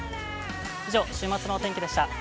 以上、週末のお天気でした。